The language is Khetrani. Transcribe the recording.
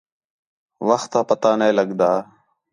وخت تا پتہ نے لڳدا